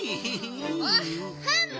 おっほん！